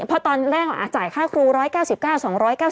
เพราะตอนแรกจ่ายค่าครู๑๙๙๒๙บาท